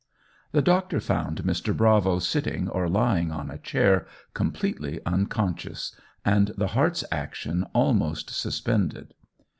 The doctor found Mr. Bravo sitting or lying on a chair, completely unconscious, and the heart's action almost suspended.